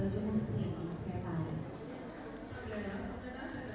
dengan total berapa